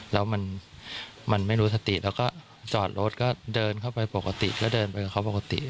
แล้วมันไม่รู้สติแล้วก็จอดรถก็เดินเข้าไปปกติก็เดินไปกับเขาปกติ